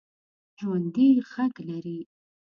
ژوندي غږ لري